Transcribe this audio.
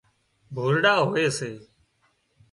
ڀولڙا هوئي سي